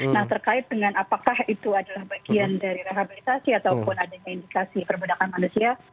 nah terkait dengan apakah itu adalah bagian dari rehabilitasi ataupun adanya indikasi perbudakan manusia